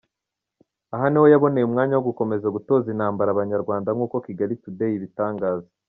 Aha niho yaboneye umwanya wo gukomeza gutoza intambara Abanyarwanda nkuko Kigali today ibitangaza.